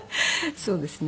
そうですね。